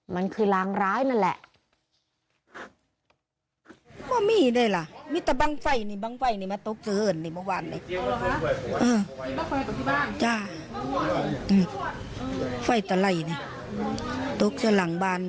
มันคือรางร้ายนั่นแหละ